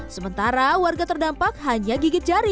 sementara warga terdampak hanya gigit jari